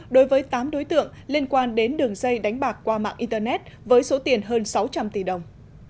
đối với tám đối tượng liên quan đến đường dây đánh bạc qua mạng internet với số tiền hơn sáu trăm linh tỷ đồng